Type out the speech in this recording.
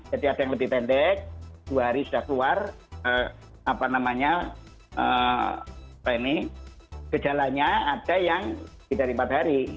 jadi ada yang lebih pendek dua hari sudah keluar apa namanya apa ini gejalanya ada yang lebih dari empat hari